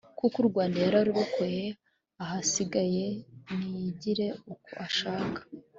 kuko urwanda yararukoye ahasigaye niyigire uko ashaka